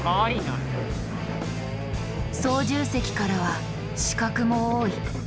操縦席からは死角も多い。